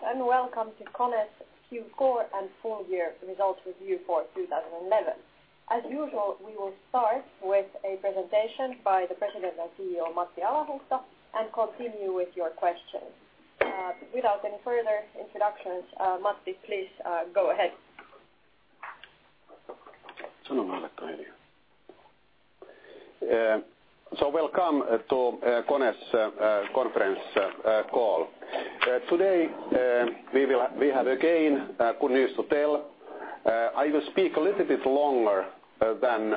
Hello and welcome to KONE's Q4 and Full-Year Results Review for 2011. As usual, we will start with a presentation by the President and CEO, Matti Alahuhta, and continue with your questions. Without any further introductions, Matti, please, go ahead. So welcome to KONE's conference call. Today, we have again good news to tell. I will speak a little bit longer than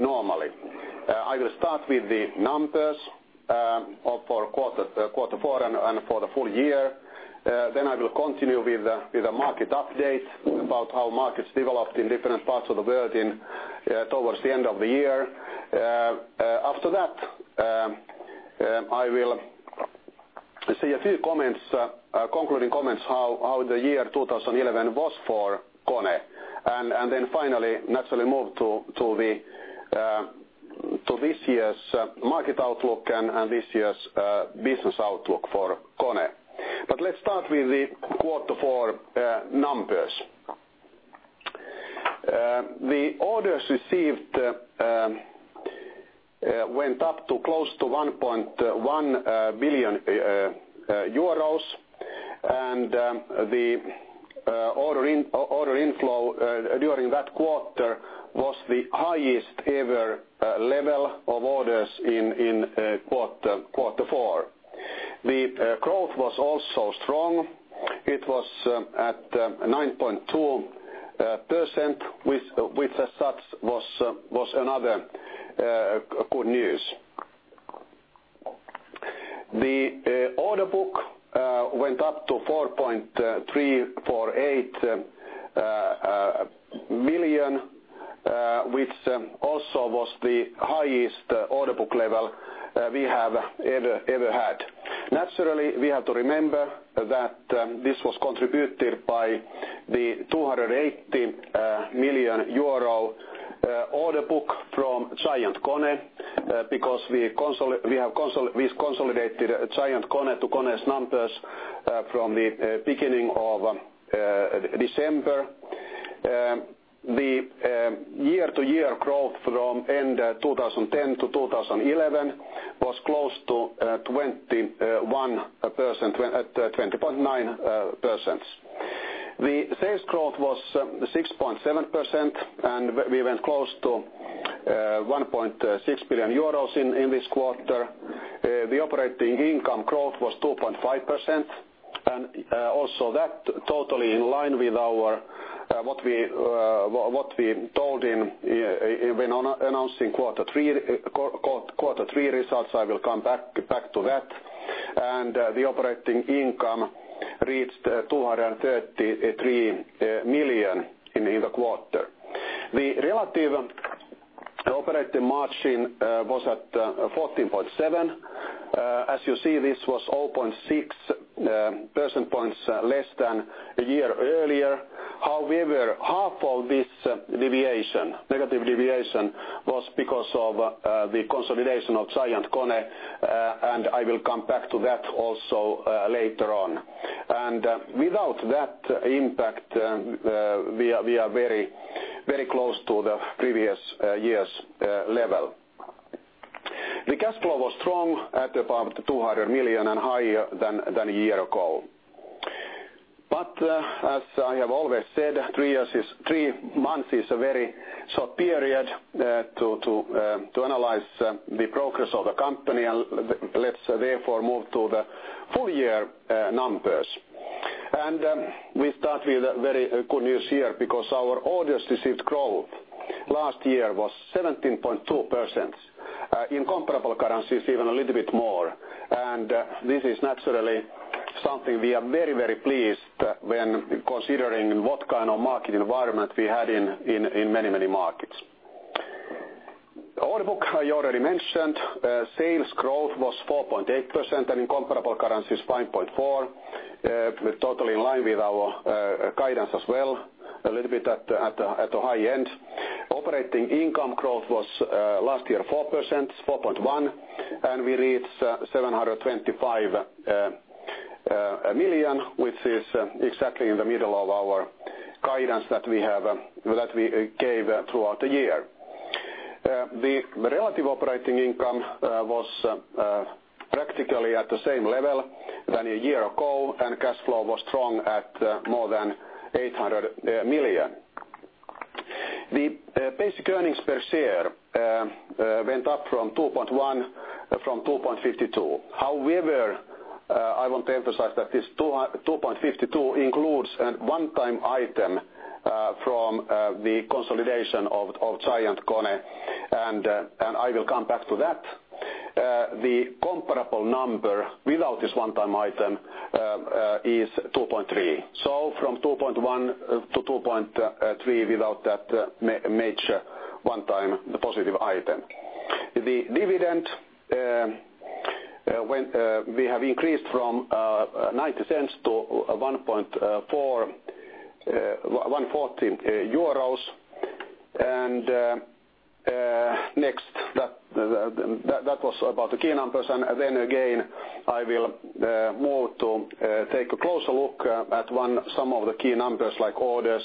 normally. I will start with the numbers for quarter four and for the full year. Then I will continue with the market updates about how markets developed in different parts of the world towards the end of the year. After that, I will say a few concluding comments about how the year 2011 was for KONE. Finally, naturally, I will move to this year's market outlook and this year's business outlook for KONE. Let's start with the quarter four numbers. The orders received went up to close to 1.1 billion euros, and the order inflow during that quarter was the highest ever level of orders in quarter four. The growth was also strong. It was at 9.2%, which as such was another good news. The order book went up to 4.348 billion, which also was the highest order book level we have ever had. Naturally, we have to remember that this was contributed by the 280 million euro order book from GiantKONE because we have consolidated GiantKONE to KONE's numbers from the beginning of December. The year-to-year growth from end 2010 to 2011 was close to 21.9%. The sales growth was 6.7%, and we went close to 1.6 billion euros in this quarter. The operating income growth was 2.5%, and also that was totally in line with what we told when announcing quarter three results. I will come back to that. The operating income reached 233 million in the quarter. The relative operating margin was at 14.7%. As you see, this was 0.6% less than a year earlier. However, half of this negative deviation was because of the consolidation of GiantKONE, and I will come back to that also later on. Without that impact, we are very, very close to the previous year's level. The cash flow was strong at about 200 million and higher than a year ago. As I have always said, three months is a very short period to analyze the progress of the company, and let's therefore move to the full-year numbers. We start with very good news here because our orders received growth last year was 17.2%. In comparable currencies, even a little bit more. This is naturally something we are very, very pleased with when considering what kind of market environment we had in many, many markets. The order book I already mentioned. Sales growth was 4.8%, and in comparable currencies, 5.4%. Totally in line with our guidance as well, a little bit at the high end. Operating income growth was last year 4%, 4.1%, and we reached 725 million, which is exactly in the middle of our guidance that we gave throughout the year. The relative operating income was practically at the same level as a year ago, and cash flow was strong at more than 800 million. The basic earnings per share went up from 2.10 to 2.52. However, I want to emphasize that this 2.52 includes a one-time item from the consolidation of GiantKONE, and I will come back to that. The comparable number without this one-time item is 2.30. From 2.10 to 2.30 without that major one-time positive item. The dividend, we have increased from 0.90 to 1.40 euros. That was about the key numbers. Next, I will move to take a closer look at some of the key numbers like orders,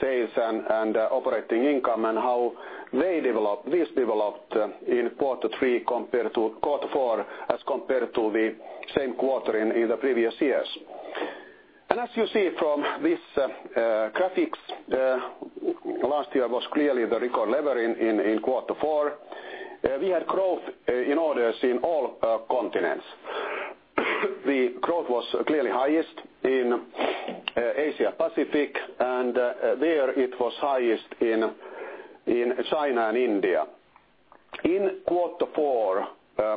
sales, and operating income, and how these developed in quarter three as compared to the same quarter in the previous years. As you see from this graphic, last year was clearly the record level in quarter four. We had growth in orders in all continents. The growth was clearly highest in Asia-Pacific, and there it was highest in China and India. In quarter four,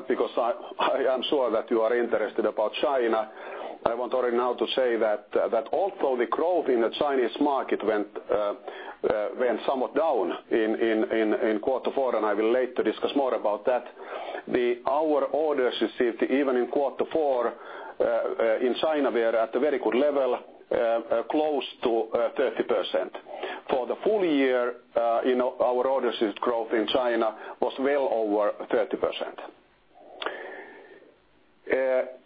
because I am sure that you are interested about China, I want to now say that although the growth in the Chinese market went somewhat down in quarter four, and I will later discuss more about that, our orders received even in quarter four in China were at a very good level, close to 30%. For the full year, our orders growth in China was well over 30%.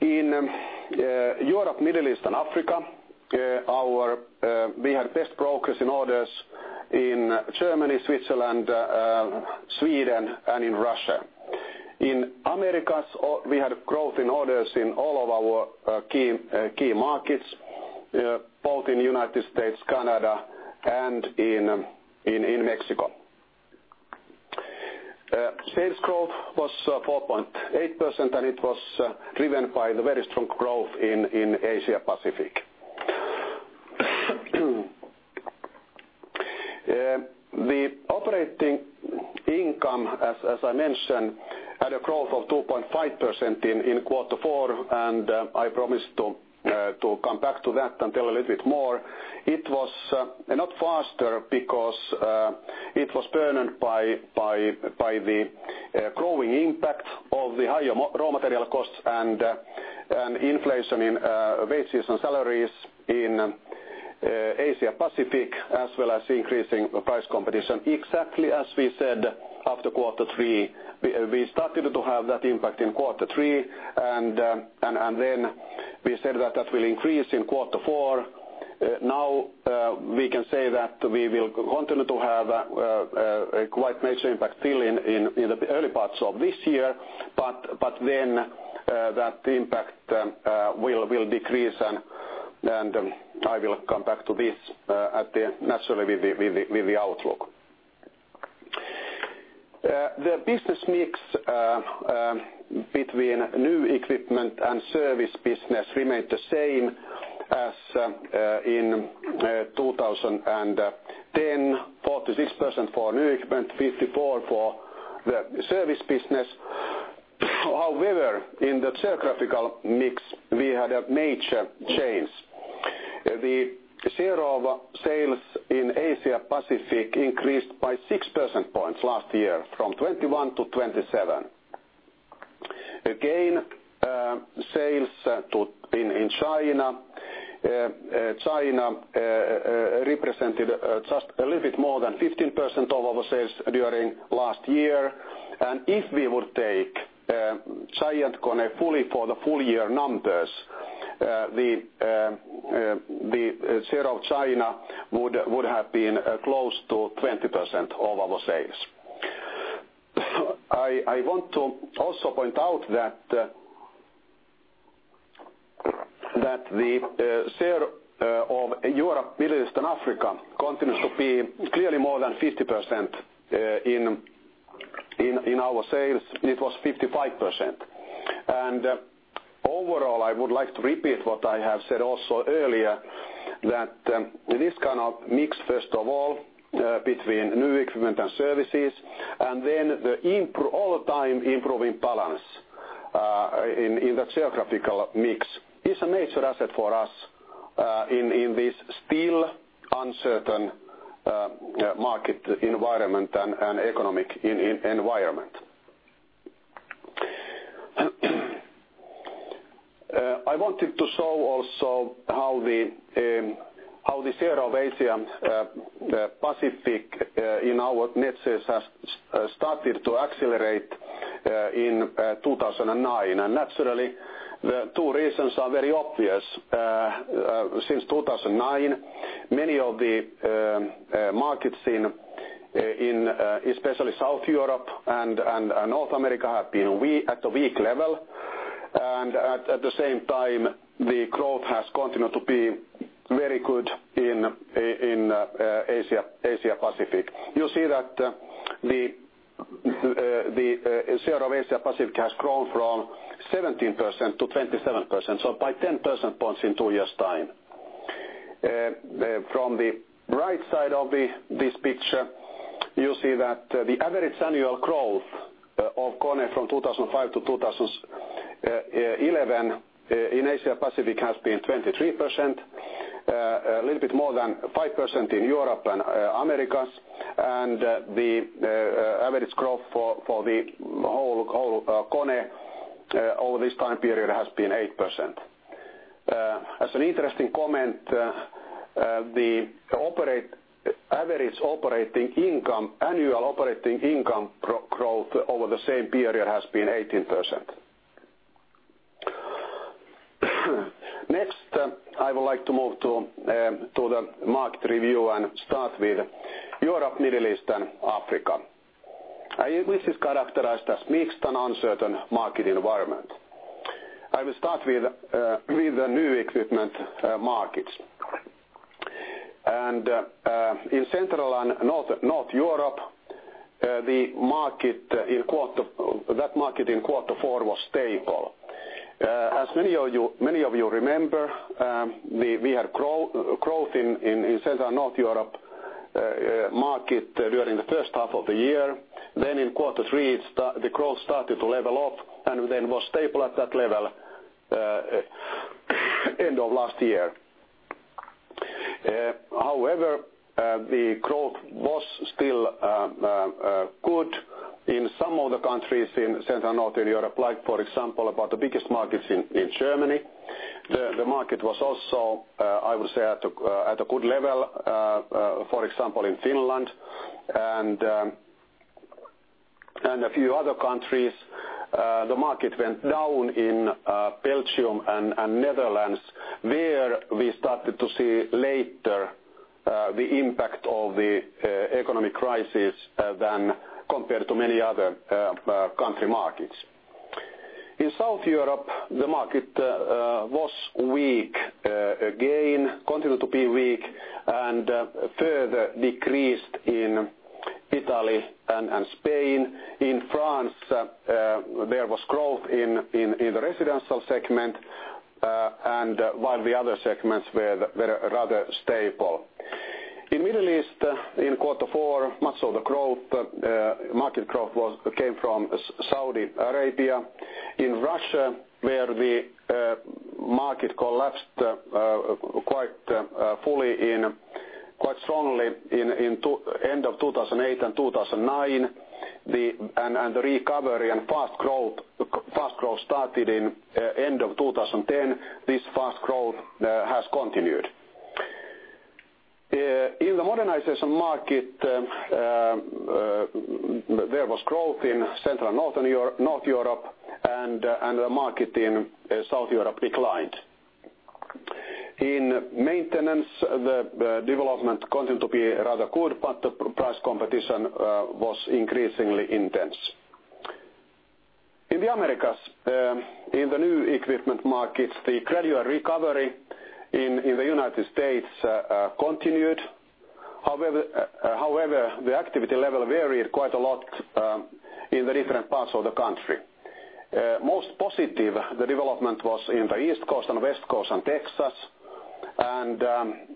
In Europe, Middle East, and Africa, we had best progress in orders in Germany, Switzerland, Sweden, and in Russia. In America, we had growth in orders in all of our key markets, both in the United States, Canada, and in Mexico. Sales growth was 4.8%, and it was driven by the very strong growth in Asia-Pacific. The operating income, as I mentioned, had a growth of 2.5% in quarter four, and I promised to come back to that and tell a little bit more. It was not faster because it was burdened by the growing impact of the higher raw material costs and inflation in wages and salaries in Asia-Pacific, as well as increasing price competition. Exactly as we said after quarter three, we started to have that impact in quarter three, and we said that would increase in quarter four. Now we can say that we will continue to have a quite major impact still in the early parts of this year, but then that impact will decrease, and I will come back to this, naturally, with the outlook. The business mix between new equipment and service business remains the same as in 2010, 46% for new equipment, 54% for the service business. However, in the geographical mix, we had a major change in sales. The share of sales in Asia-Pacific increased by 6% points last year from 21% to 27%. Sales in China represented just a little bit more than 15% of our sales during last year. If we would take GiantKONE fully for the full-year numbers, the share of China would have been close to 20% of our sales. I want to also point out that the share of Europe, Middle East, and Africa continues to be clearly more than 50% in our sales. It was 55%. Overall, I would like to repeat what I have said also earlier, that this kind of mix, first of all, between new equipment and services, and then the all-time improving balance in the geographical mix, is a major asset for us in this still uncertain market environment and economic environment. I wanted to show also how the share of Asia-Pacific in our net sales has started to accelerate in 2009. The two reasons are very obvious. Since 2009, many of the markets in, especially Southern Europe and North America, have been at a weak level. At the same time, the growth has continued to be very good in Asia-Pacific. You see that the share of Asia-Pacific has grown from 17% to 27%, so by 10% points in two years' time. From the right side of this picture, you see that the average annual growth of KONE from 2005 to 2011 in Asia-Pacific has been 23%, a little bit more than 5% in Europe and America. The average growth for the whole KONE over this time period has been 8%. As an interesting comment, the average annual operating income growth over the same period has been 18%. Next, I would like to move to the market review and start with Europe, Middle East, and Africa, which is characterized as a mixed and uncertain market environment. I will start with the new equipment markets. In Central and North Europe, that market in quarter four was stable. As many of you remember, we had growth in the Central and North Europe market during the first half of the year. In quarter three, the growth started to level off and then was stable at that level at the end of last year. However, the growth was still good in some of the countries in Central and Northern Europe, like, for example, about the biggest markets in Germany. The market was also, I would say, at a good level, for example, in Finland and a few other countries. The market went down in Belgium and Netherlands, where we started to see later the impact of the economic crisis than compared to many other country markets. In Southern Europe, the market was weak again, continued to be weak, and further decreased in Italy and Spain. In France, there was growth in the residential segment, while the other segments were rather stable. In the Middle East, in quarter four, much of the market growth came from Saudi Arabia. In Russia, where the market collapsed quite strongly in the end of 2008 and 2009, and the recovery and fast growth started in the end of 2010, this fast growth has continued. In the modernization market, there was growth in Central and Northern Europe, and the market in Southern Europe declined. In maintenance, the development continued to be rather good, but the price competition was increasingly intense. In the Americas, in the new equipment markets, the gradual recovery in the United States continued. However, the activity level varied quite a lot in the different parts of the country. Most positive, the development was in the East Coast and West Coast and Texas.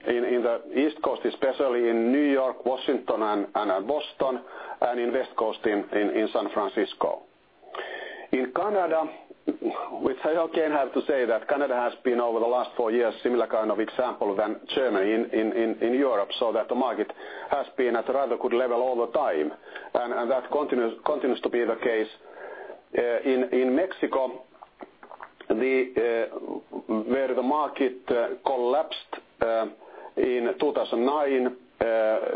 In the East Coast, especially in New York, Washington, and Boston, and in the West Coast in San Francisco. In Canada, which I again have to say that Canada has been over the last four years a similar kind of example as Germany in Europe, so that the market has been at a rather good level over time. That continues to be the case. In Mexico, where the market collapsed in 2009,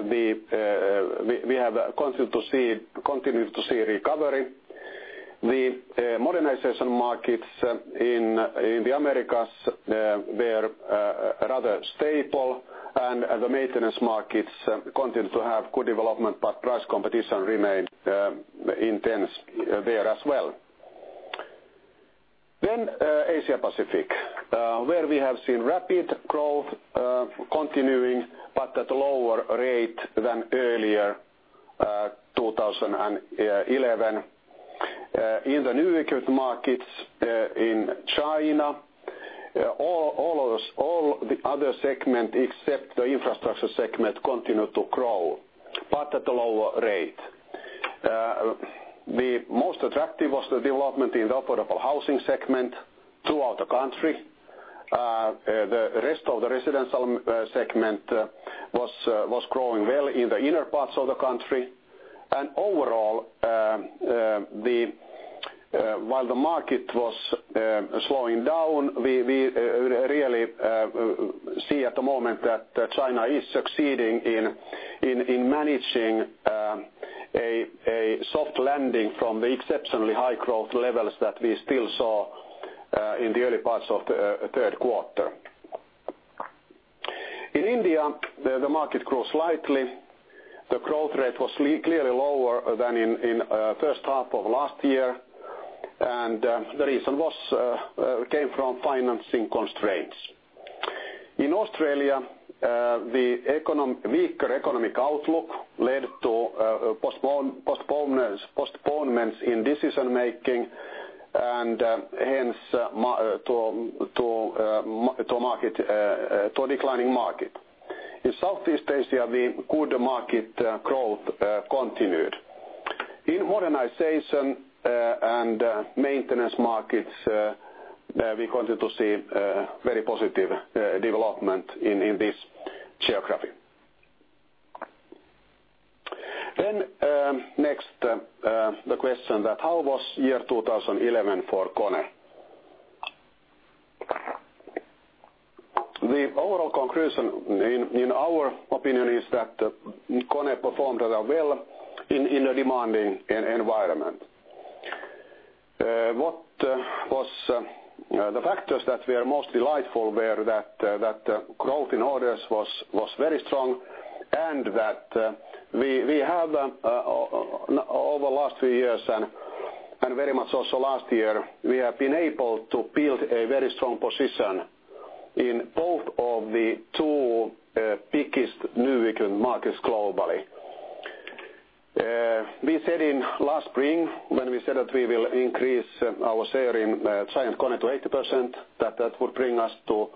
we have continued to see recovery. The modernization markets in the Americas were rather stable, and the maintenance markets continue to have good development, but price competition remained intense there as well. Asia-Pacific, where we have seen rapid growth continuing, but at a lower rate than earlier in 2011. In the new equipment markets in China, all the other segments except the infrastructure segment continue to grow, but at a lower rate. The most attractive was the development in the affordable housing segment throughout the country. The rest of the residential segment was growing well in the inner parts of the country. Overall, while the market was slowing down, we really see at the moment that China is succeeding in managing a soft landing from the exceptionally high growth levels that we still saw in the early parts of the third quarter. In India, the market grew slightly. The growth rate was clearly lower than in the first half of last year, and the reason came from financing constraints. In Australia, the weaker economic outlook led to postponements in decision-making, and hence to a declining market. In Southeast Asia, the good market growth continued. In modernization and maintenance markets, we continue to see very positive development in this geography. The question that how was year 2011 for KONE? The overall conclusion in our opinion is that KONE performed rather well in a demanding environment. The factors that we are most delighted with were that the growth in orders was very strong, and that we have over the last few years and very much also last year, we have been able to build a very strong position in both of the two biggest new equipment markets globally. We said last spring when we said that we will increase our share in GiantKONE to 80%, that that would bring us to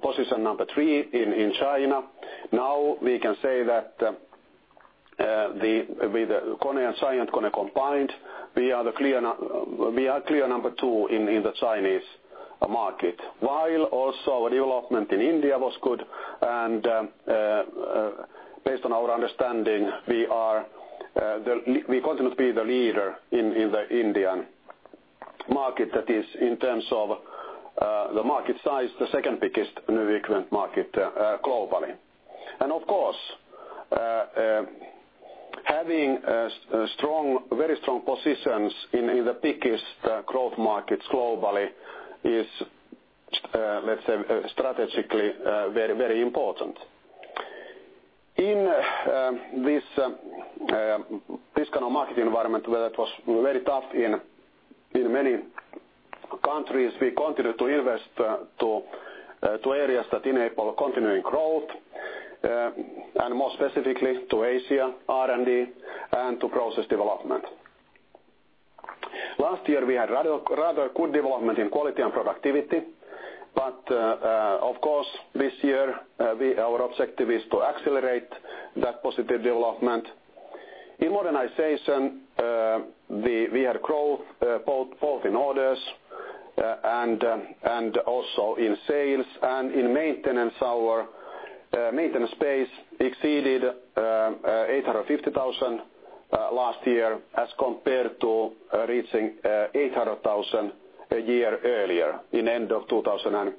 position number three in China. Now we can say that with KONE and GiantKONE combined, we are clear number two in the Chinese market. Also, our development in India was good, and based on our understanding, we continue to be the leader in the Indian market that is in terms of the market size, the second biggest new equipment market globally. Of course, having very strong positions in the biggest growth markets globally is, let's say, strategically very important. In this kind of market environment where it was very tough in many countries, we continue to invest to areas that enable continuing growth, and more specifically to Asia, R&D, and to process development. Last year, we had rather good development in quality and productivity, but of course, this year, our objective is to accelerate that positive development. In modernization, we had growth both in orders and also in sales, and in maintenance, our maintenance base exceeded 850,000 last year as compared to reaching 800,000 a year earlier in the end of 2010.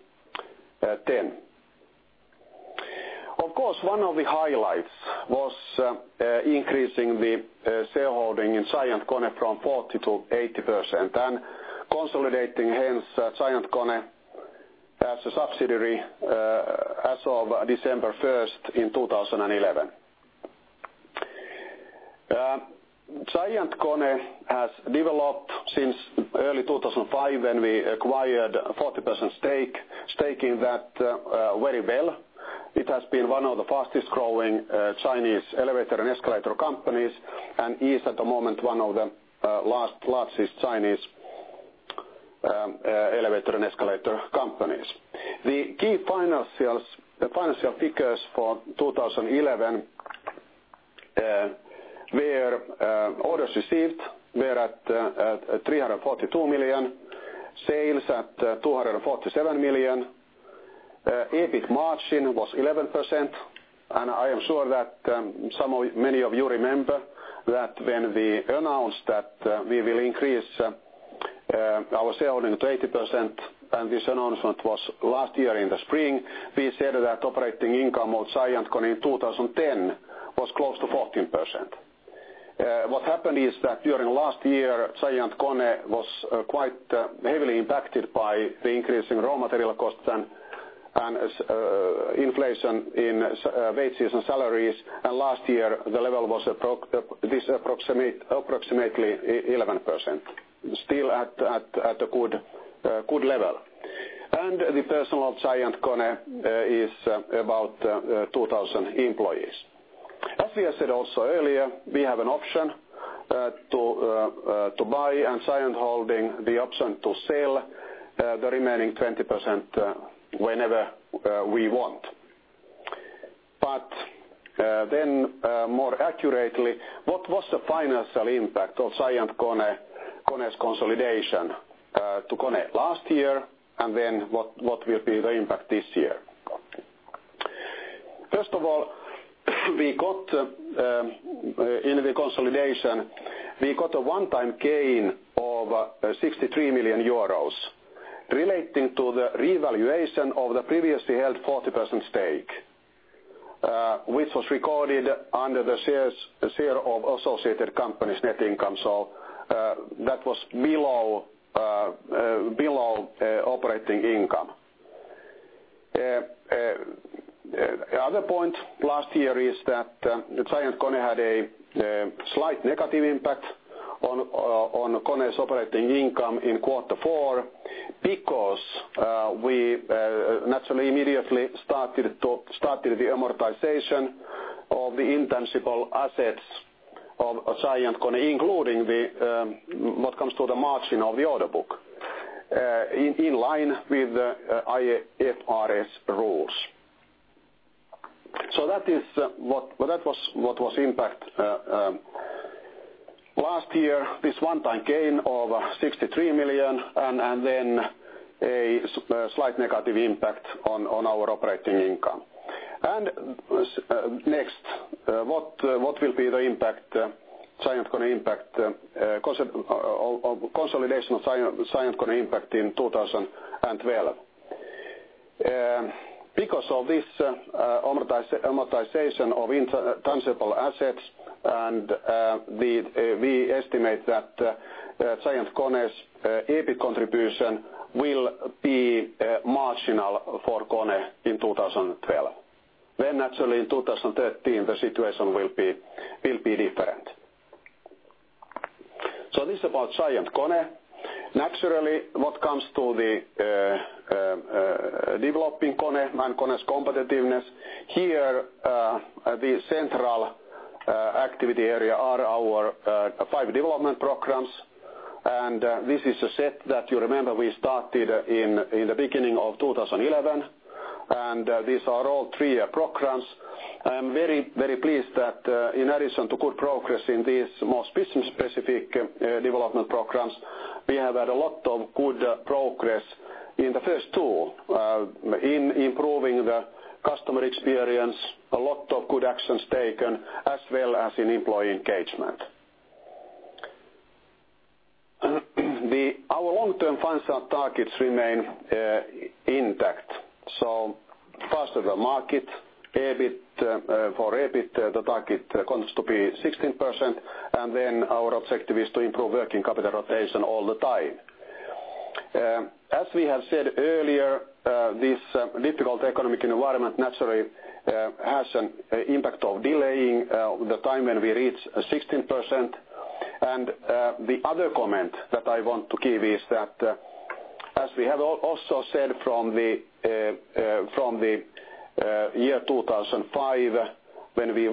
Of course, one of the highlights was increasing the shareholding in GiantKONE from 40% to 80% and consolidating, hence, GiantKONE as a subsidiary as of December 1st, 2011. GiantKONE has developed since early 2005 when we acquired a 40% stake, staking that very well. It has been one of the fastest growing Chinese elevator and escalator companies and is at the moment one of the largest Chinese elevator and escalator companies. The key financial figures for 2011 were orders received, were at 342 million, sales at 247 million. EBIT margin was 11%, and I am sure that some of many of you remember that when we announced that we will increase our shareholding to 80%, and this announcement was last year in the spring, we said that operating income of GiantKONE in 2010 was close to 14%. What happened is that during last year, GiantKONE was quite heavily impacted by the increasing raw material costs and inflation in wages and salaries, and last year, the level was approximately 11%, still at a good level. The personnel of GiantKONE is about 2,000 employees. As we have said also earlier, we have an option to buy and Giant holding the option to sell the remaining 20% whenever we want. More accurately, what was the financial impact of GiantKONE's consolidation to KONE last year, and then what will be the impact this year? First of all, in the consolidation, we got a one-time gain of 63 million euros relating to the revaluation of the previously held 40% stake, which was recorded under the share of associated companies' net income. That was below operating income. Other points last year is that GiantKONE had a slight negative impact on KONE's operating income in quarter four because we naturally immediately started the amortization of the intangible assets of GiantKONE, including what comes to the margin of the order book, in line with IFRS rules. That was what was impact last year, this one-time gain of 63 million and then a slight negative impact on our operating income. Next, what will be the impact, GiantKONE impact, consolidation of GiantKONE impact in 2012? Because of this amortization of intangible assets, and we estimate that GiantKONE's EBIT contribution will be marginal for KONE in 2012. Naturally, in 2013, the situation will be different. This is about GiantKONE. Naturally, what comes to the developing KONE and KONE's competitiveness, here the central activity area are our five development programs. This is a set that you remember we started in the beginning of 2011, and these are all three programs. I'm very, very pleased that in addition to good progress in these more specific development programs, we have had a lot of good progress in the first two, in improving the customer experience, a lot of good actions taken, as well as in employee engagement. Our long-term funds targets remain intact. Faster than market, for EBIT, the target continues to be 16%, and then our objective is to improve working capital rotation all the time. As we have said earlier, this difficult economic environment naturally has an impact of delaying the time when we reach 16%. The other comment that I want to give is that, as we have also said from the year 2005, when we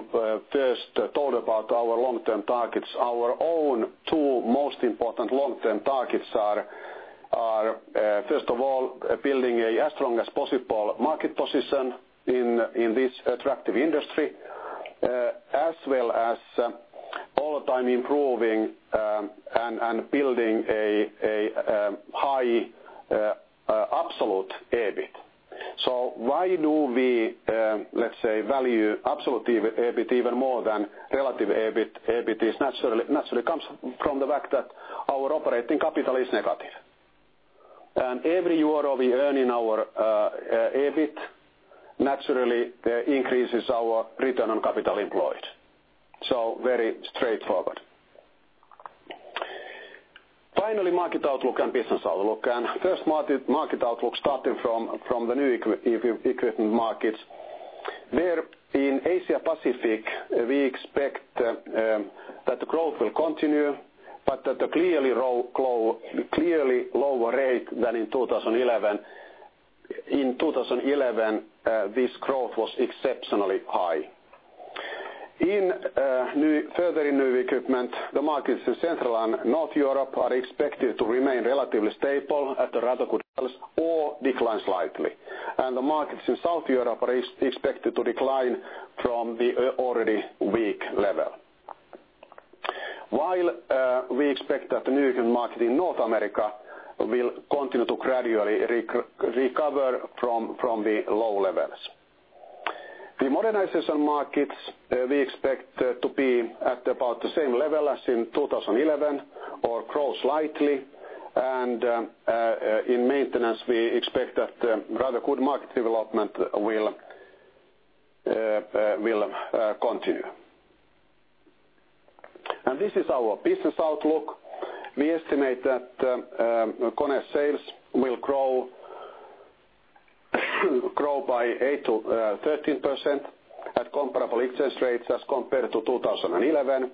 first told about our long-term targets, our own two most important long-term targets are, first of all, building as strong as possible market position in this attractive industry, as well as all the time improving and building a high absolute EBIT. Why do we, let's say, value absolute EBIT even more than relative EBIT? EBIT naturally comes from the fact that our operating capital is negative. Every euro we earn in our EBIT naturally increases our return on capital employed. Very straightforward. Finally, market outlook and business outlook. First, market outlook started from the new equipment markets, where in Asia-Pacific, we expect that the growth will continue, but at a clearly lower rate than in 2011. In 2011, this growth was exceptionally high. Further in new equipment, the markets in Central and North Europe are expected to remain relatively stable at a rather good level or decline slightly. The markets in South Europe are expected to decline from the already weak level. We expect that the new equipment market in North America will continue to gradually recover from the low levels. The modernization markets, we expect to be at about the same level as in 2011 or grow slightly. In maintenance, we expect that rather good market development will continue. This is our business outlook. We estimate that KONE's sales will grow by 8%-13% at comparable exchange rates as compared to 2011,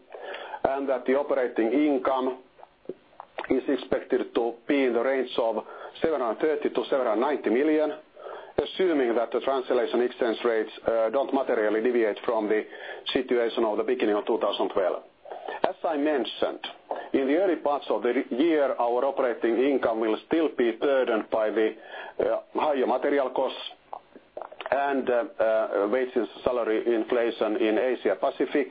and that the operating income is expected to be in the range of 730 million-790 million, assuming that the translation exchange rates don't materially deviate from the situation of the beginning of 2012. As I mentioned, in the early parts of the year, our operating income will still be burdened by the higher material costs and wages and salary inflation in Asia-Pacific.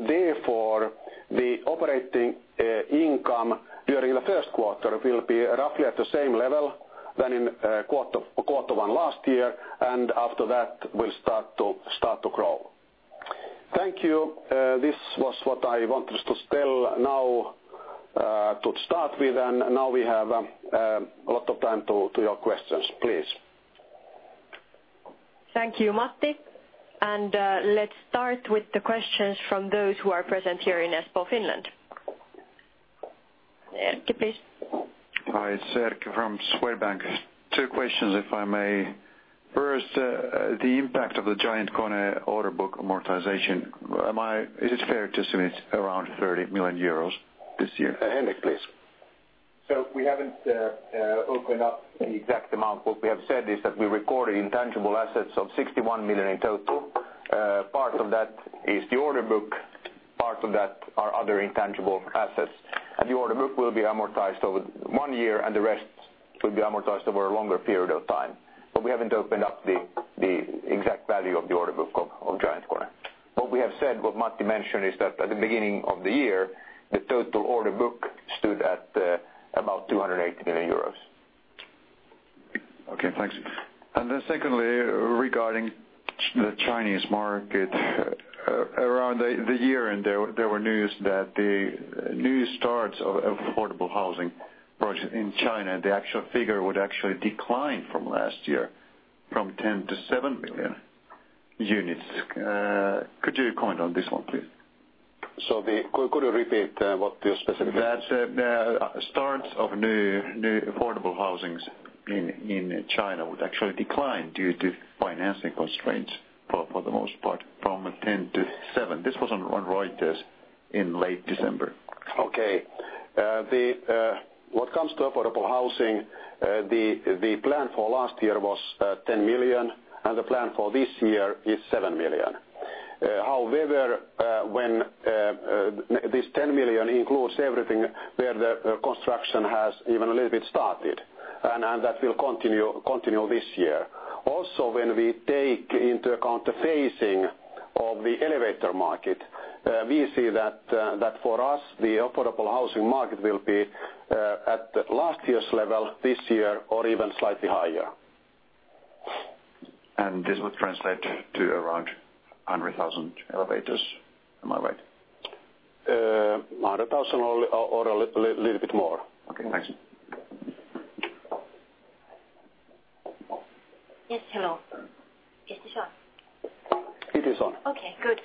Therefore, the operating income during the first quarter will be roughly at the same level as in quarter one last year, and after that, we'll start to grow. Thank you. This was what I wanted to tell now to start with, and now we have a lot of time for your questions, please. Thank you, Matti. Let's start with the questions from those who are present here in Espoo, Finland. Thank you, please. Hi, it's Ed from Swedbank. Two questions, if I may. First, the impact of the GiantKONE order book amortization. Is it fair to assume it's around 30 million euros this year? Henrik, please. We haven't opened up the exact amount, but what we have said is that we recorded intangible assets of 61 million in total. Part of that is the order book, and part of that are other intangible assets. The order book will be amortized over one year, and the rest will be amortized over a longer period of time. We haven't opened up the exact value of the order book of GiantKONE. What we have said, what Matti mentioned, is that at the beginning of the year, the total order book stood at about 280 million euros. Thank you. Secondly, regarding the Chinese market, around the year-end, there were news that the new starts of affordable housing projects in China, the actual figure would actually decline from last year from 10 million to 7 million units. Could you comment on this, please? Could you repeat what your specific? That the starts of new affordable housings in China would actually decline due to financing constraints for the most part from 10 to 7. This was on Reuters in late December. Okay. What comes to affordable housing, the plan for last year was 10 million, and the plan for this year is 7 million. However, this 10 million includes everything where the construction has even a little bit started, and that will continue this year. Also, when we take into account the phasing of the elevator market, we see that for us, the affordable housing market will be at last year's level this year or even slightly higher. This would translate to around 100,000 elevators, am I right? 100,000 or a little bit more. Okay, thanks. Yes, hello. Is this on? It is on. Okay, good.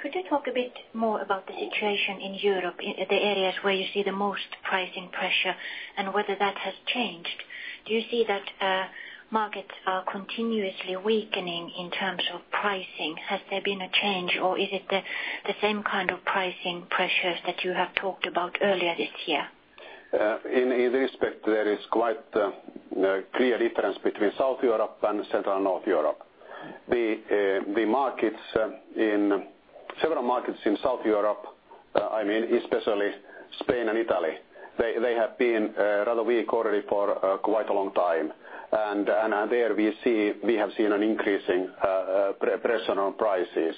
Could you talk a bit more about the situation in Europe, the areas where you see the most pricing pressure, and whether that has changed? Do you see that markets are continuously weakening in terms of pricing? Has there been a change, or is it the same kind of pricing pressures that you have talked about earlier this year? In this respect, there is quite a clear difference between Southern Europe and Central and Northern Europe. The markets in several markets in Southern Europe, I mean, especially Spain and Italy, they have been rather weak already for quite a long time. There we have seen an increasing pressure on prices.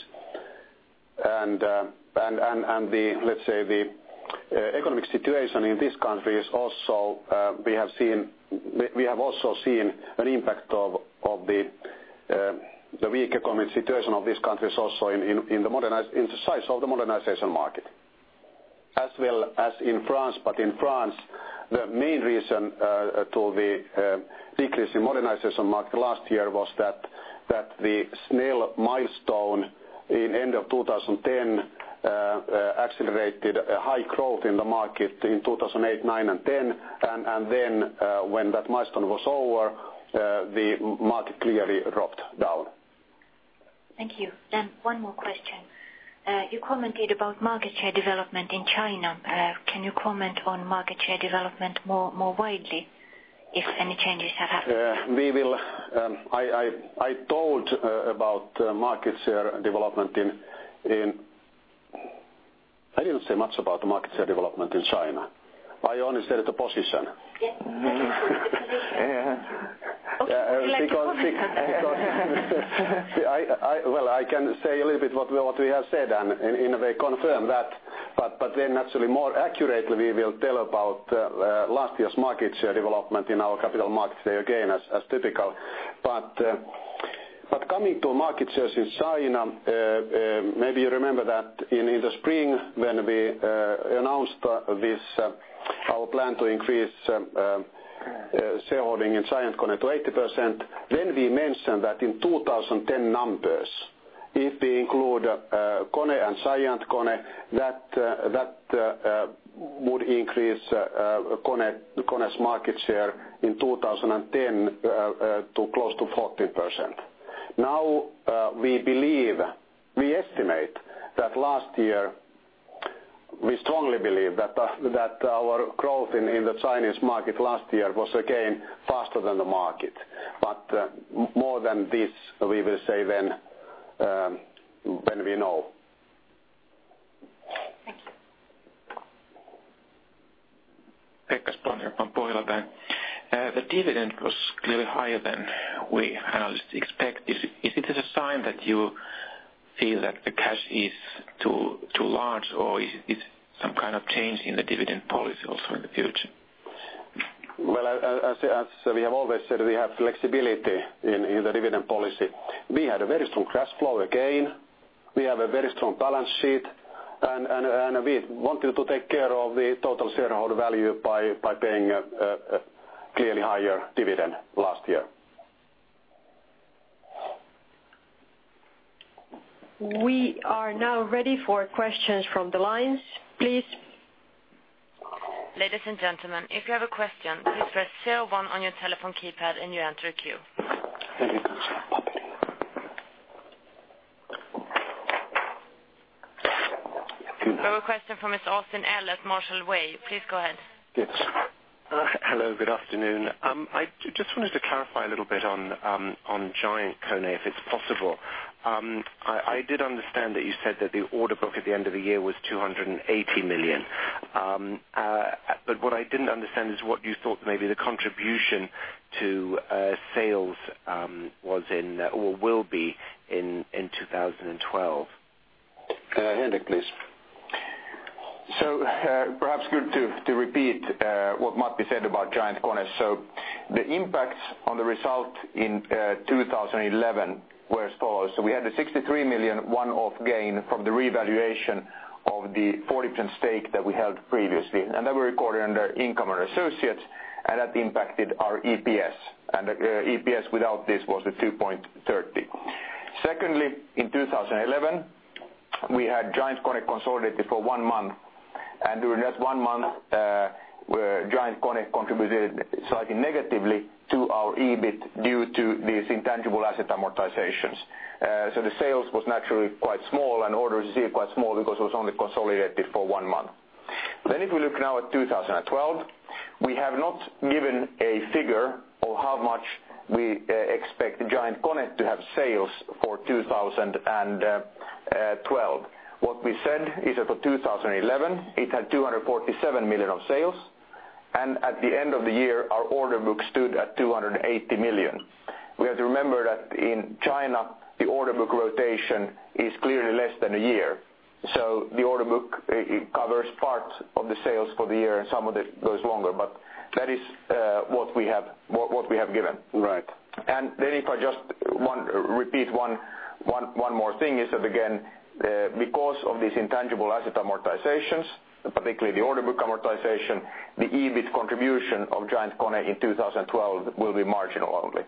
The economic situation in these countries also, we have seen an impact of the weak economic situation of these countries also in the size of the modernization market. As well as in France, but in France, the main reason to the decrease in modernization market last year was that the SNEL milestone in the end of 2010 accelerated high growth in the market in 2008, 2009, and 2010. When that milestone was over, the market clearly dropped down. Thank you. One more question. You commented about market share development in China. Can you comment on market share development more widely if any changes have happened? I didn't say much about the market share development in China. I only said it's a position. I can say a little bit what we have said and in a way confirm that. Naturally, more accurately, we will tell about last year's market share development in our capital market today again, as typical. Coming to market shares in China, maybe you remember that in the spring when we announced our plan to increase shareholding in GiantKONE to 80%, we mentioned that in 2010 numbers, if we include KONE and GiantKONE, that would increase KONE's market share in 2010 to close to 14%. Now we estimate that last year, we strongly believe that our growth in the Chinese market last year was again faster than the market. More than this, we will say when we know. a question from Pålöte. The dividend was clearly higher than we had expected. Is it a sign that you feel that the cash is too large, or is it some kind of change in the dividend policy also in the future? As we have always said, we have flexibility in the dividend policy. We had a very strong cash flow again. We have a very strong balance sheet, and we wanted to take care of the total shareholder value by paying a clearly higher dividend last year. We are now ready for questions from the line, please. Ladies and gentlemen, if you have a question, please press zero one on your telephone keypad and you enter a queue. We have a question from Ms. Austin L at Marshall Wace. Please go ahead. Hello, good afternoon. I just wanted to clarify a little bit on GiantKONE if it's possible. I did understand that you said that the order book at the end of the year was $280 million. What I didn't understand is what you thought maybe the contribution to sales was in or will be in 2012. Henrik, please. Perhaps good to repeat what Matti said about GiantKONE. The impacts on the result in 2011 were as follows. We had a $63 million one-off gain from the revaluation of the 40% stake that we held previously. That was recorded under income and associates, and that impacted our EPS. The EPS without this was $2.30. In 2011, we had GiantKONE consolidated for one month. During that one month, GiantKONE contributed slightly negatively to our EBIT due to these intangible asset amortizations. The sales was naturally quite small and orders were quite small because it was only consolidated for one month. If we look now at 2012, we have not given a figure of how much we expect GiantKONE to have sales for 2012. What we said is that for 2011, it had $247 million of sales. At the end of the year, our order book stood at $280 million. We have to remember that in China, the order book rotation is clearly less than a year. The order book covers part of the sales for the year, and some of it goes longer. That is what we have given. Right. If I just want to repeat one more thing, it is that again, because of these intangible asset amortizations, particularly the order book amortization, the EBIT contribution of GiantKONE in 2012 will be marginal only.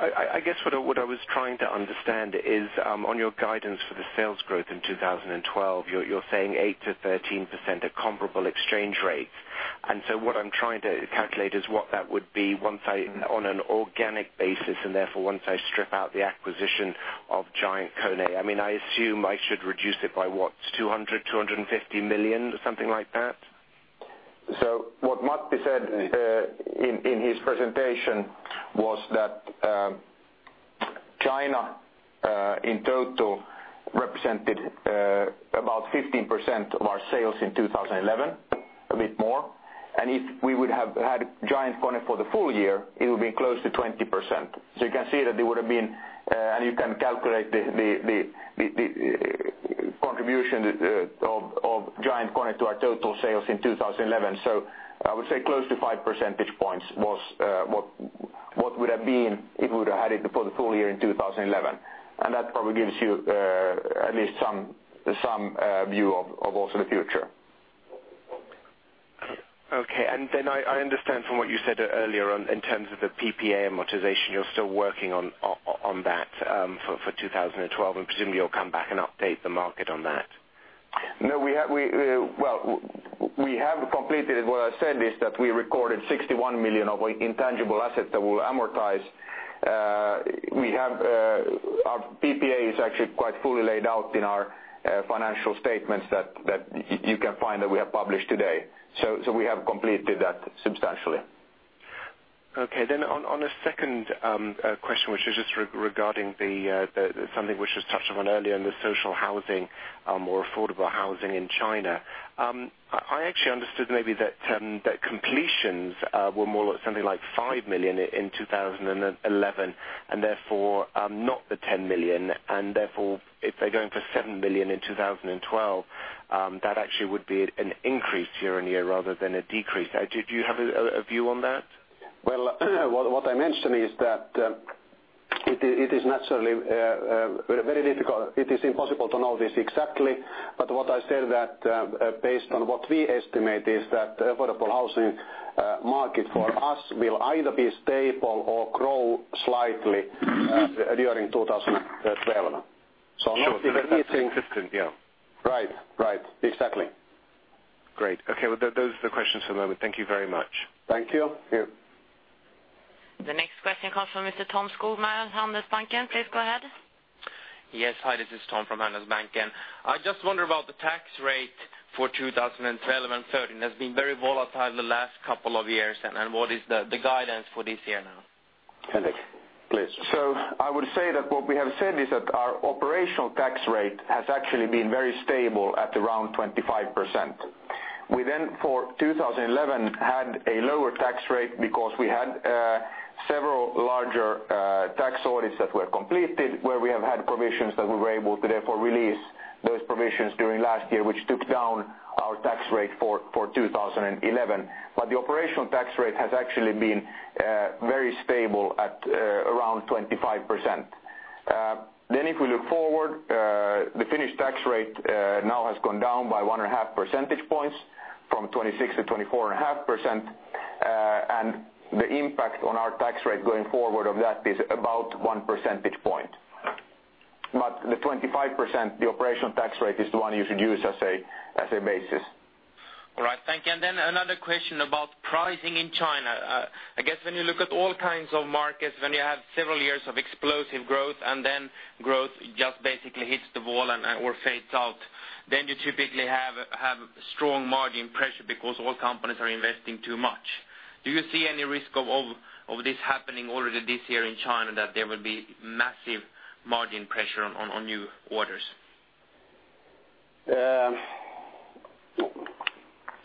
I guess what I was trying to understand is on your guidance for the sales growth in 2012, you're saying 8%-13% at comparable exchange rates. What I'm trying to calculate is what that would be on an organic basis, and therefore once I strip out the acquisition of GiantKONE. I mean, I assume I should reduce it by what? $200 million, $250 million, something like that? What Matti said in his presentation was that China in total represented about 15% of our sales in 2011, a bit more. If we would have had GiantKONE for the full year, it would be close to 20%. You can see that it would have been, and you can calculate the contribution of GiantKONE to our total sales in 2011. I would say close to 5 percentage points was what would have been if we would have had it for the full year in 2011. That probably gives you at least some view of also the future. Okay. I understand from what you said earlier on in terms of the PPA amortization, you're still working on that for 2012, and presumably you'll come back and update the market on that. No, we have completed it. What I said is that we recorded $61 million of intangible assets that will amortize. Our PPA is actually quite fully laid out in our financial statements that you can find that we have published today. We have completed that substantially. Okay. On a second question, which is just regarding something which was touched upon earlier in the social housing or affordable housing in China, I actually understood maybe that completions were more like 5 million in 2011 and therefore not the 10 million. If they're going for 7 million in 2012, that actually would be an increase year on year rather than a decrease. Do you have a view on that? What I mentioned is that it is naturally very difficult. It is impossible to know this exactly. What I said, based on what we estimate, is that the affordable housing market for us will either be stable or grow slightly during 2012. It's a mixing system, yeah. Right, right. Exactly. Great. Okay. Those are the questions for the moment. Thank you very much. Thank you. The next question comes from Mr. Tom Skogman of Handelsbanken. Please go ahead. Yes. Hi, this is Tom from Handelsbanken. I just wonder about the tax rate for 2012 and 2013. It has been very volatile the last couple of years. What is the guidance for this year now? Henrik, please. I would say that what we have said is that our operational tax rate has actually been very stable at around 25%. We then, for 2011, had a lower tax rate because we had several larger tax audits that were completed where we have had provisions that we were able to therefore release those provisions during last year, which took down our tax rate for 2011. The operational tax rate has actually been very stable at around 25%. If we look forward, the Finnish tax rate now has gone down by 1.5 percentage points from 26% to 24.5%. The impact on our tax rate going forward of that is about 1 percentage point. The 25%, the operational tax rate, is the one you should use as a basis. All right. Thank you. Another question about pricing in China. I guess when you look at all kinds of markets, when you have several years of explosive growth and then growth just basically hits the wall and or fades out, you typically have strong margin pressure because all companies are investing too much. Do you see any risk of this happening already this year in China that there will be massive margin pressure on new orders?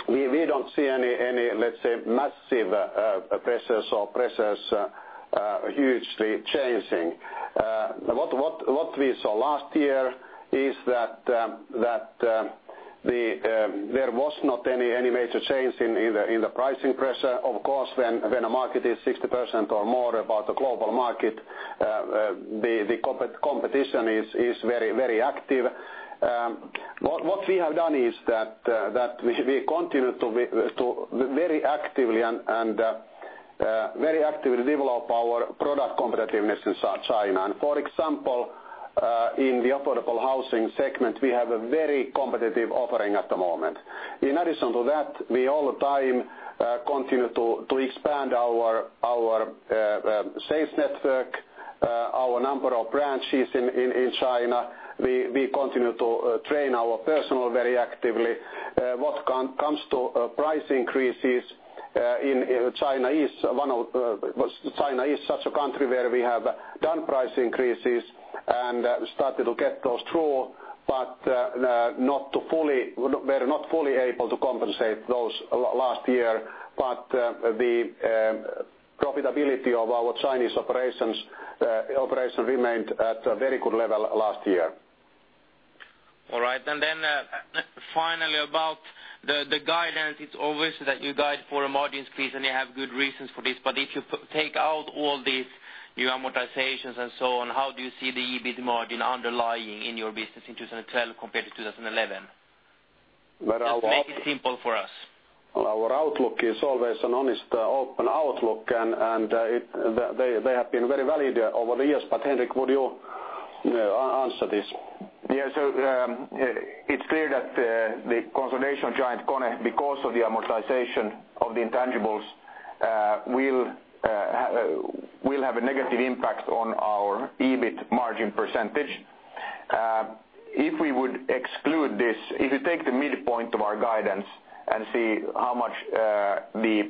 We don't see any, let's say, massive pressures or pressures hugely changing. What we saw last year is that there was not any major change in the pricing pressure. Of course, when a market is 60% or more about a global market, the competition is very, very active. What we have done is that we continue to very actively develop our product competitiveness in China. For example, in the affordable housing segment, we have a very competitive offering at the moment. In addition to that, we all the time continue to expand our sales network, our number of branches in China. We continue to train our personnel very actively. What comes to price increases in China is one of China is such a country where we have done price increases and started to get those through, but not fully able to compensate those last year. The profitability of our Chinese operations remained at a very good level last year. All right. Finally, about the guidance, it's obvious that you guide for a margin increase and you have good reasons for this. If you take out all these new amortizations and so on, how do you see the EBIT margin underlying in your business in 2012 compared to 2011? Just make it simple for us. Our outlook is always an honest, open outlook, and they have been very valid over the years. Henrik, would you answer this? It's clear that the consolidation of GiantKONE, because of the amortization of the intangibles, will have a negative impact on our EBIT margin percentage. If we would exclude this, if you take the midpoint of our guidance and see how much the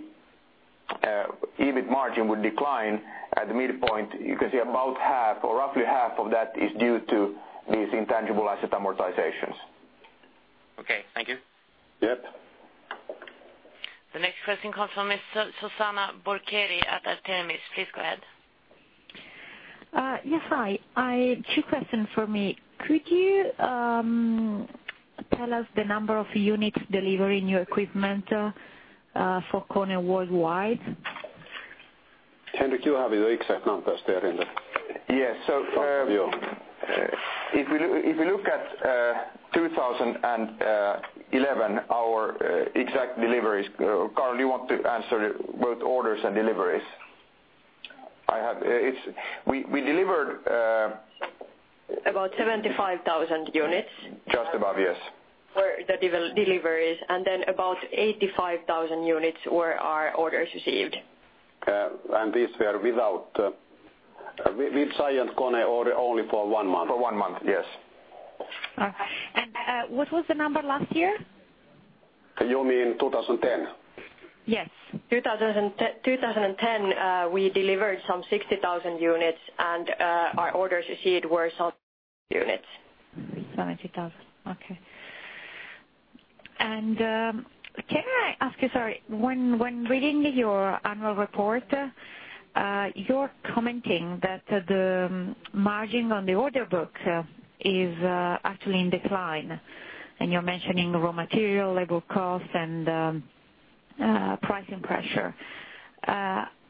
EBIT margin would decline at the midpoint, you can see about half or roughly half of that is due to these intangible asset amortizations. Okay, thank you. Yep. The next question comes from Ms. Rosanna Burcheri at Artemis. Please go ahead. Yes, hi. Two questions for me. Could you tell us the number of units delivering new equipment for KONE worldwide? Henrik, you have your exact numbers there. Yes. If we look at 2011, our exact deliveries, Karla, you want to answer both orders and deliveries? We delivered. About 75,000 units. Just above, yes. For the deliveries, about 85,000 units were our orders received. These were without GiantKONE order, only for one month. For one month, yes. What was the number last year? You mean 2010? Yes. In 2010, we delivered some 60,000 units, and our orders received were some units. 60,000. Okay. Can I ask you, sir, when reading your annual report, you're commenting that the margin on the order book is actually in decline, and you're mentioning raw material cost inflation and pricing pressure.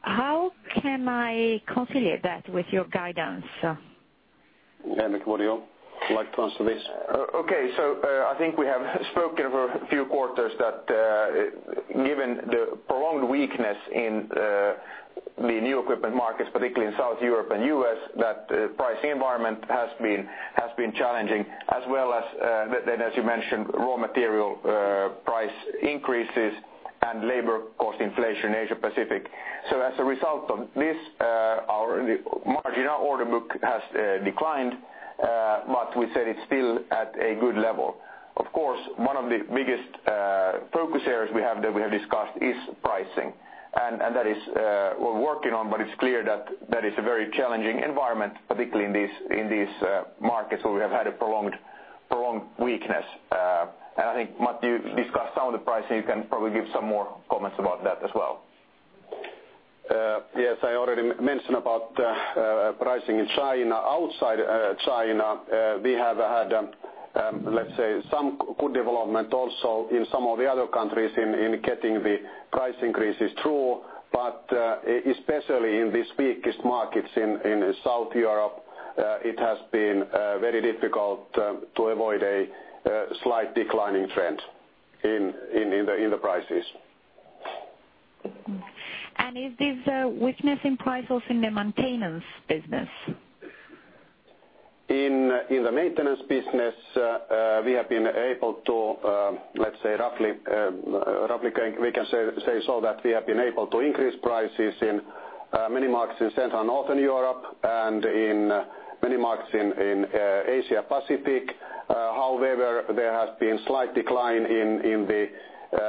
How can I conciliate that with your guidance? Henrik, would you like to answer this? Okay. I think we have spoken for a few quarters that given the prolonged weakness in the new equipment markets, particularly in Southern Europe and the U.S., the pricing environment has been challenging, as well as, as you mentioned, raw material cost inflation and labor cost inflation in Asia-Pacific. As a result of this, our marginal order book has declined, but we said it's still at a good level. Of course, one of the biggest focus areas we have discussed is pricing. That is what we're working on, but it's clear that is a very challenging environment, particularly in these markets where we have had a prolonged weakness. I think, Matti, you discussed some of the pricing. You can probably give some more comments about that as well. Yes. I already mentioned about pricing in China. Outside China, we have had, let's say, some good development also in some of the other countries in getting the price increases through. Especially in these weakest markets in Southern Europe, it has been very difficult to avoid a slight declining trend in the prices. Is this weakness in price also in the maintenance business? In the maintenance business, we have been able to, let's say, roughly, we can say that we have been able to increase prices in many markets in Central and Northern Europe and in many markets in Asia-Pacific. However, there has been a slight decline in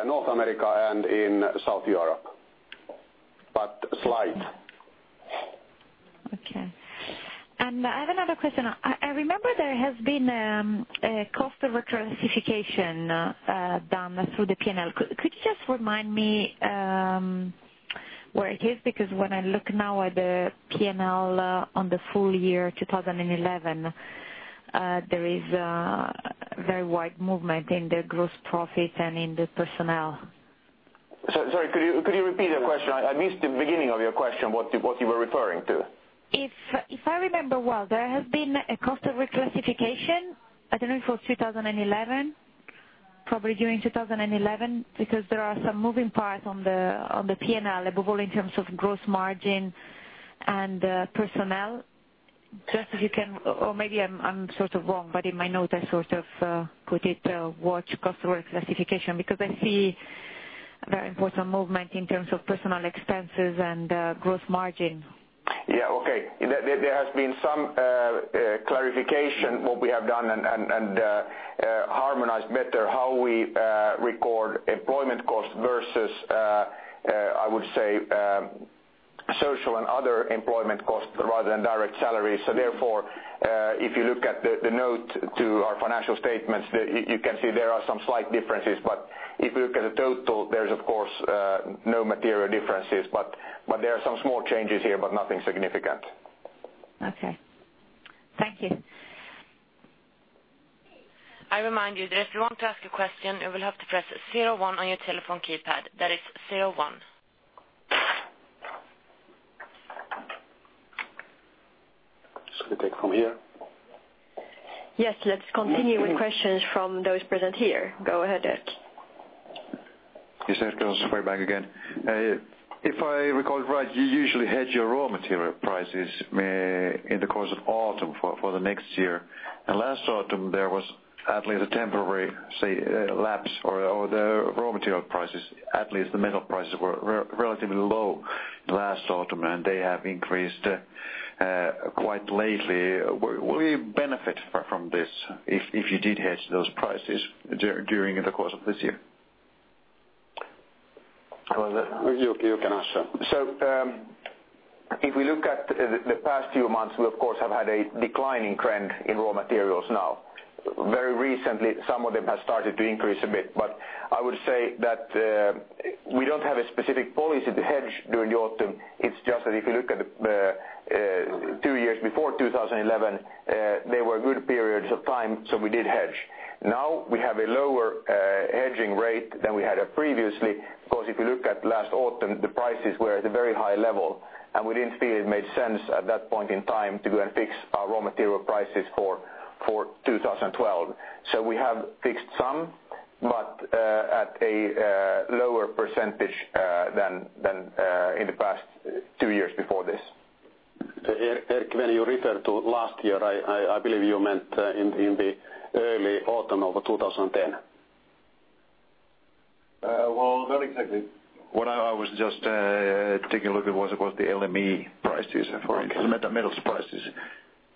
North America and in Southern Europe, but slight. Okay. I have another question. I remember there has been a cost of a classification done through the P&L. Could you just remind me where it is? Because when I look now at the P&L on the full year 2011, there is a very wide movement in the gross profit and in the personnel. Sorry, could you repeat that question? I missed the beginning of your question, what you were referring to. If I remember well, there has been a cost of reclassification. I don't know if it was 2011, probably during 2011, because there are some moving parts on the P&L, above all in terms of gross margin and personnel. If you can, or maybe I'm sort of wrong, but in my notes, I sort of put it, what cost of reclassification, because I see a very important movement in terms of personnel expenses and gross margin. Yeah. Okay. There has been some clarification of what we have done and harmonized better how we record employment costs versus, I would say, social and other employment costs rather than direct salaries. Therefore, if you look at the note to our financial statements, you can see there are some slight differences. If you look at the total, there's, of course, no material differences. There are some small changes here, nothing significant. Okay. Thank you. I remind you, the rest of you who want to ask a question, you will have to press zero one on your telephone keypad. That is zero one. Should we take from here? Yes, let's continue with questions from those present here. Go ahead, Ed. Yes, Ed, going to Swedbank again. If I recall it right, you usually hedge your raw material prices in the course of autumn for the next year. Last autumn, there was at least a temporary lapse or the raw material prices, at least the metal prices, were relatively low last autumn, and they have increased quite lately. Will you benefit from this if you did hedge those prices during the course of this year? You can answer. If we look at the past few months, we, of course, have had a declining trend in raw materials now. Very recently, some of them have started to increase a bit. I would say that we don't have a specific policy to hedge during the autumn. It's just that if you look at the two years before 2011, they were good periods of time, so we did hedge. Now we have a lower hedging rate than we had previously because if you look at last autumn, the prices were at a very high level. We didn't feel it made sense at that point in time to go and fix our raw material prices for 2012. We have fixed some, but at a lower percentage than in the past two years before this. Ed, when you refer to last year, I believe you meant in the early autumn of 2010. Not exactly. What I was just taking a look at was the LME prices, for LME, the metals prices.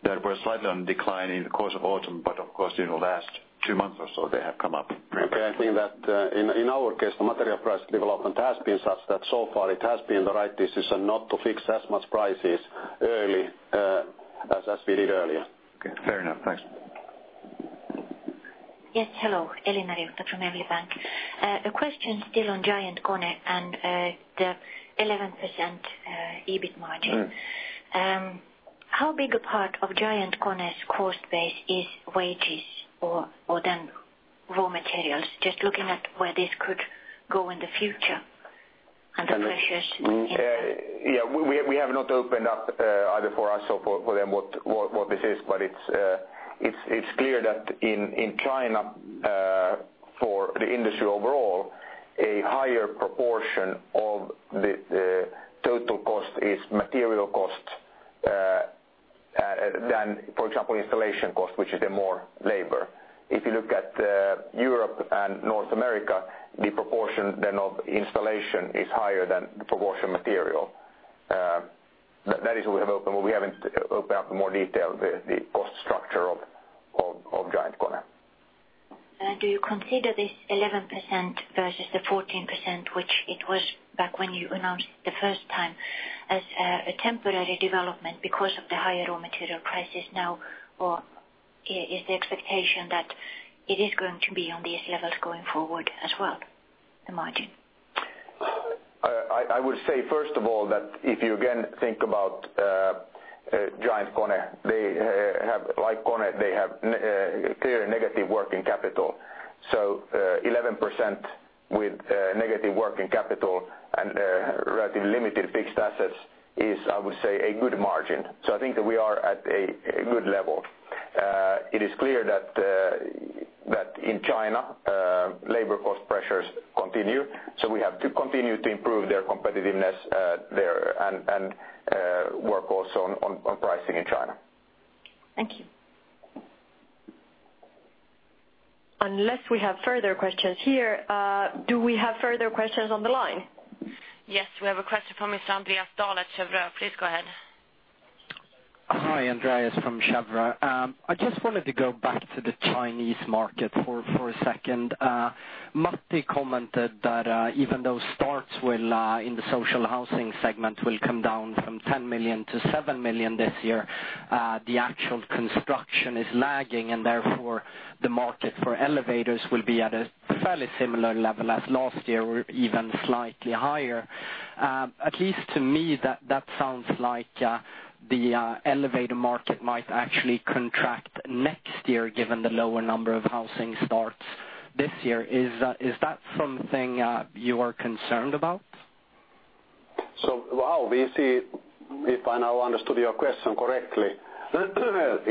There was slightly on the decline in the course of autumn, but of course, in the last two months or so, they have come up pretty much. Okay. I think that in our case, the material price development has been such that so far it has been the right decision not to fix as much prices early as we did earlier. Okay, fair enough. Thanks. Yes, hello. Elin from Every Bank. A question still on GiantKONE and the 11% EBIT margin. How big a part of GiantKONE's cost base is wages or then raw materials? Just looking at where this could go in the future and the pressures. Yeah. We have not opened up either for us or for them what this is, but it's clear that in China, for the industry overall, a higher proportion of the total cost is material cost than, for example, installation cost, which is the more labor. If you look at Europe and North America, the proportion then of installation is higher than the proportion of material. That is what we have opened, but we haven't opened up in more detail the cost structure of GiantKONE. Do you consider this 11% versus the 14%, which it was back when you announced the first time, as a temporary development because of the higher raw material prices now, or is the expectation that it is going to be on these levels going forward as well, the margin? I would say, first of all, that if you again think about GiantKONE, they have, like KONE, clearly negative working capital. So 11% with negative working capital and relatively limited fixed assets is, I would say, a good margin. I think that we are at a good level. It is clear that in China, labor cost pressures continue. We have to continue to improve their competitiveness there and work also on pricing in China. Thank you. Unless we have further questions here, do we have further questions on the line? Yes, we have a question from Mr. Andreas Dahl at Cheuvreux. Please go ahead. Hi, Andreas from Chevreux. I just wanted to go back to the Chinese market for a second. Matti commented that even though starts in the social housing segment will come down from 10 million to 7 million this year, the actual construction is lagging, and therefore, the market for elevators will be at a fairly similar level as last year or even slightly higher. At least to me, that sounds like the elevator market might actually contract next year given the lower number of housing starts this year. Is that something you are concerned about? We see if I now understood your question correctly. The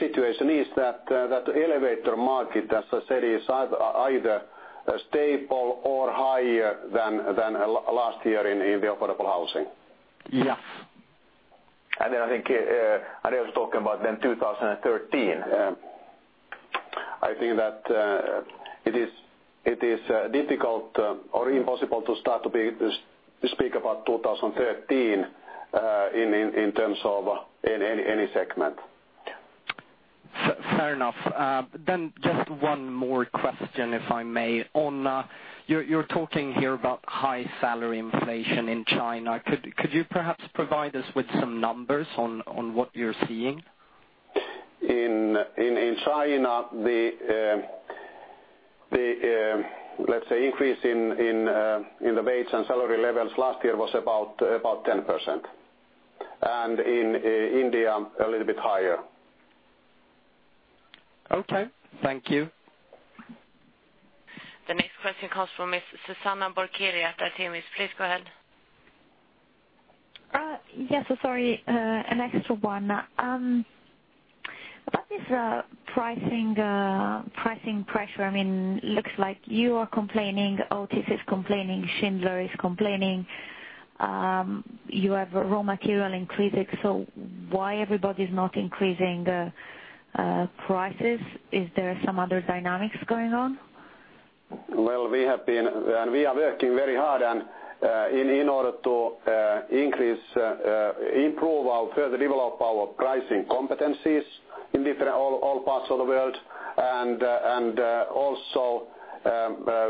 situation is that the elevator market, as I said, is either stable or higher than last year in the affordable housing. Yes. I think Andreas was talking about 2013. I think that it is difficult or impossible to start to speak about 2013 in terms of any segment. Fair enough. Just one more question, if I may. You're talking here about high salary inflation in China. Could you perhaps provide us with some numbers on what you're seeing? In China, the increase in the wage and salary levels last year was about 10%. In India, a little bit higher. Okay, thank you. The next question comes from Ms. Rosanna Burcheri at Artemis. Please go ahead. Yes, sorry. An exit for one. What is the pricing pressure? I mean, it looks like you are complaining, OTC is complaining, Schindler is complaining. You have raw material increasing. Why is everybody not increasing prices? Is there some other dynamics going on? We have been, and we are working very hard in order to increase, improve, or further develop our pricing competencies in different parts of the world. Also,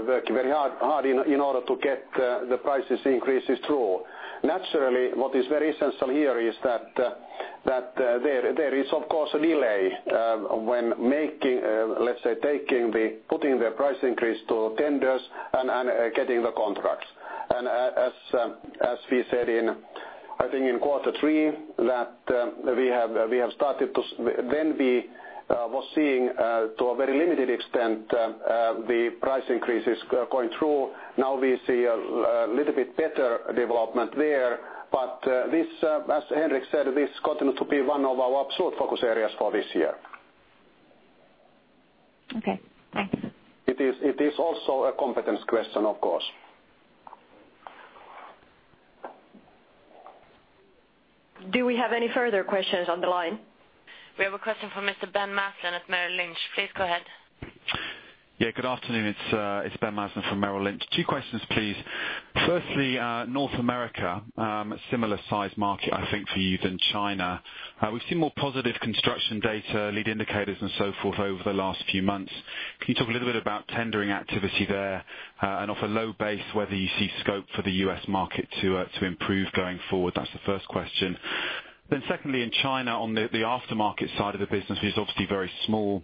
working very hard in order to get the price increases through. Naturally, what is very essential here is that there is, of course, a delay when making, let's say, putting the price increase to tenders and getting the contracts. As we said in, I think in quarter three, that we have started to, then we were seeing to a very limited extent the price increases going through. Now we see a little bit better development there. This, as Henrik said, continues to be one of our absolute focus areas for this year. Okay. Thanks. It is also a competence question, of course. Do we have any further questions on the line? We have a question from Mr. Ben Madsen at Merrill Lynch Please go ahead. Yeah, good afternoon. It's Ben Madsen from Merrill Lynch. Two questions, please. Firstly, North America, a similar size market, I think, for you than China. We've seen more positive construction data, lead indicators, and so forth over the last few months. Can you talk a little bit about tendering activity there and off a low base whether you see scope for the U.S. market to improve going forward? That's the first question. Secondly, in China, on the aftermarket side of the business, it is obviously very small.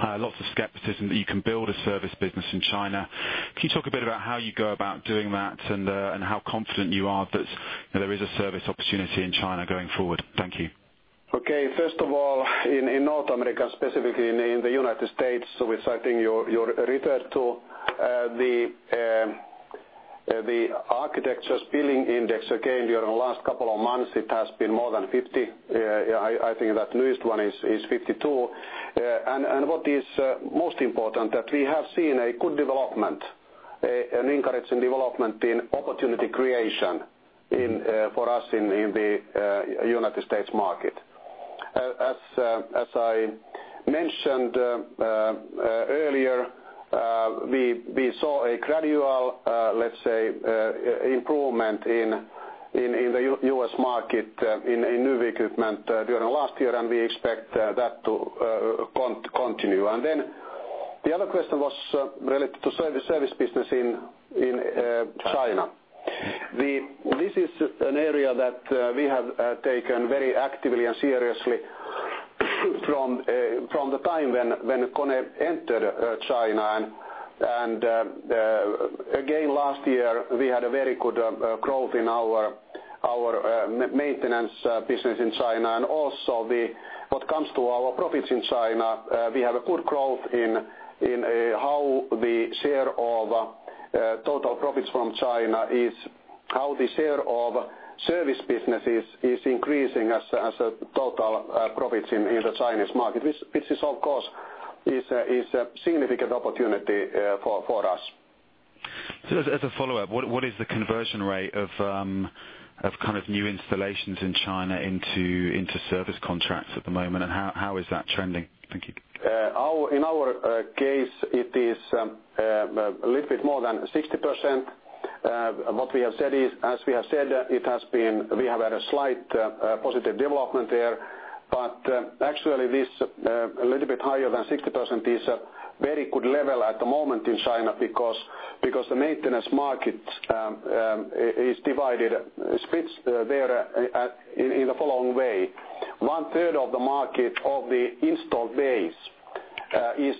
Lots of skepticism that you can build a service business in China. Can you talk a bit about how you go about doing that and how confident you are that there is a service opportunity in China going forward? Thank you. Okay. First of all, in North America, specifically in the United States, which I think you referred to, the architecture's billing index, again, during the last couple of months, it has been more than 50. I think that newest one is 52. What is most important is that we have seen a good development, an increase in development in opportunity creation for us in the United States market. As I mentioned earlier, we saw a gradual, let's say, improvement in the U.S. market in new equipment during the last year, and we expect that to continue. The other question was related to service business in China. This is an area that we have taken very actively and seriously from the time when KONE entered China. Again, last year, we had a very good growth in our maintenance business in China. Also, what comes to our profits in China, we have a good growth in how the share of total profits from China is, how the share of service businesses is increasing as a total profit in the Chinese market, which is, of course, a significant opportunity for us. What is the conversion rate of kind of new installations in China into service contracts at the moment? How is that trending? Thank you. In our case, it is a little bit more than 60%. What we have said is, as we have said, it has been, we have had a slight positive development there. Actually, this a little bit higher than 60% is a very good level at the moment in China because the maintenance market is divided, is split there in the following way. One-third of the market of the installed base is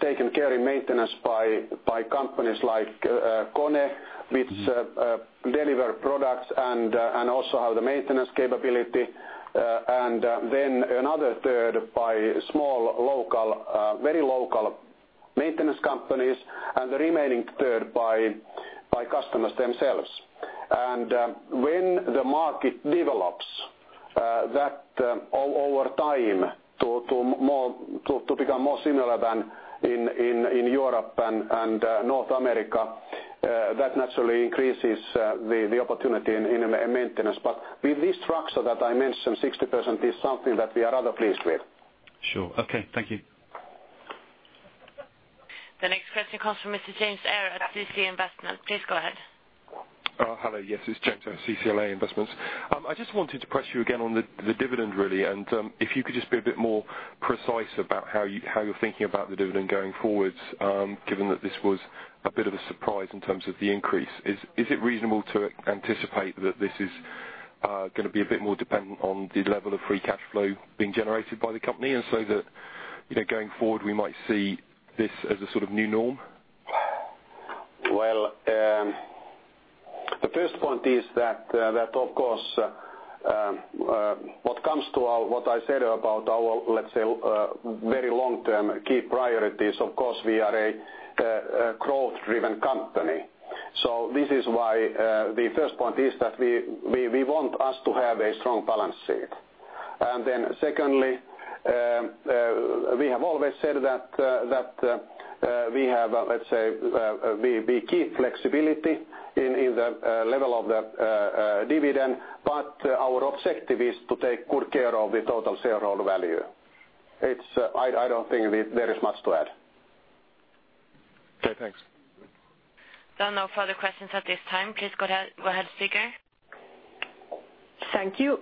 taken care in maintenance by companies like KONE, which deliver products and also have the maintenance capability. Another third by small, local, very local maintenance companies, and the remaining third by customers themselves. When the market develops that over time to become more similar than in Europe and North America, that naturally increases the opportunity in maintenance. With this structure that I mentioned, 60% is something that we are rather pleased with. Sure. Okay. Thank you. The next question comes from Mr. Jim Ayer at CC Investments. Please go ahead. Hi. Yes, this is James from CCLA Investments. I just wanted to question you again on the dividend, really. If you could just be a bit more precise about how you're thinking about the dividend going forwards, given that this was a bit of a surprise in terms of the increase, is it reasonable to anticipate that this is going to be a bit more dependent on the level of free cash flow being generated by the company? That going forward, we might see this as a sort of new norm? The first point is that, of course, what comes to what I said about our, let's say, very long-term key priorities, of course, we are a growth-driven company. This is why the first point is that we want us to have a strong balance sheet. Then secondly, we have always said that we have, let's say, we keep flexibility in the level of the dividend, but our objective is to take good care of the total shareholder value. I don't think there is much to add. Okay. Thanks. There are no further questions at this time. Please go ahead, speaker. Thank you.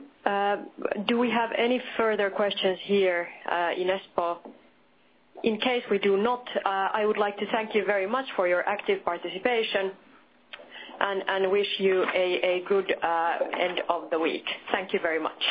Do we have any further questions here in Espoo? In case we do not, I would like to thank you very much for your active participation and wish you a good end of the week. Thank you very much.